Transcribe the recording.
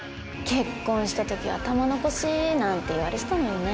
結婚した時は玉のこしなんて言われてたのにね